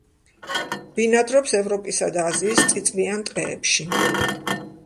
ბინადრობს ევროპისა და აზიის წიწვიან ტყეებში.